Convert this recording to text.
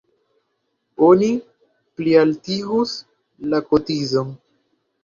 Oni plialtigus la kotizon.